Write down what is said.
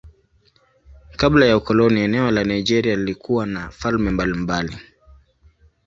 Kabla ya ukoloni eneo la Nigeria lilikuwa na falme mbalimbali.